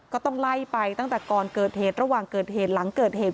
ก็ต้องไล่ไปตั้งแต่ก่อนเกิดเหตุระหว่างเกิดเหตุหลังเกิดเหตุ